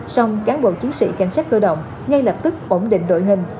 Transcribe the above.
xong cán bộ chiến sĩ cảnh sát cơ động ngay lập tức ổn định đội hình